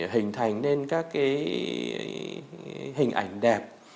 hình thành nên các cái hình ảnh đẹp